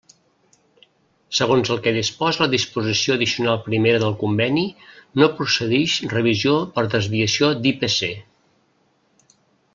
Segons el que disposa la disposició addicional primera del conveni no procedix revisió per desviació d'IPC.